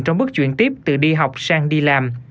trong bước chuyển tiếp từ đi học sang đi làm